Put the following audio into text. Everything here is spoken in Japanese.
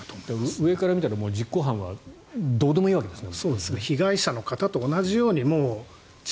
上から見たら実行犯はどうでもいいわけですよね。